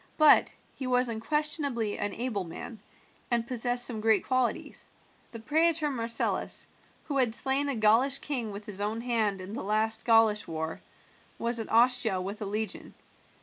But he was unquestionably an able man, and possessed some great qualities. The praetor Marcellus, who had slain a Gaulish king with his own hand in the last Gaulish war, was at Ostia with a legion.